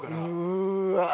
うわ。